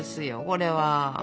これは。